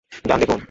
যান, দেখুন।